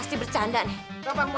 sebentar aduh mbak